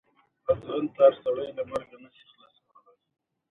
دغه موجوده شورا کېدای شي بدله شي.